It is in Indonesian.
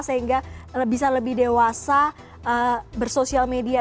sehingga bisa lebih dewasa bersosial media